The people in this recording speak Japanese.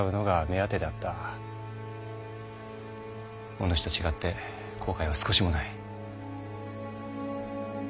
お主と違って後悔は少しもない。